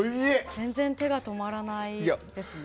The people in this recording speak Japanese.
全然手が止まらないですね。